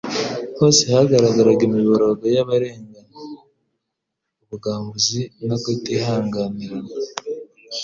hose hagaragaraga imiborogo y'abarengana, ubwambuzi no kutihanganirana,